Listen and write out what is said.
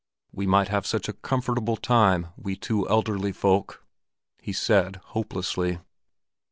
"We might have such a comfortable time, we two elderly folk," he said hopelessly.